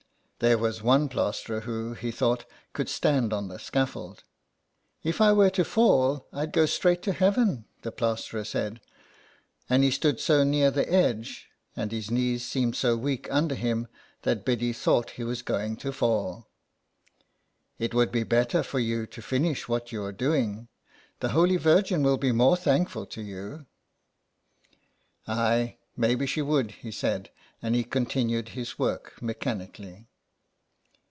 There was one plasterer who, he thought, could stand on the scaffold. " If I were to fall I'd go straight to Heaven," the plasterer said, and he stood so near the edge, and his 97 G SOME PARISHIONERS. knees seemed so weak under him, that Biddy thought he was going to fall. '' It would be better for you to finish what you are doing ; the Holy Virgin will be more thankful to you." "Aye, maybe she would/' he said, and he continued his work mechanically.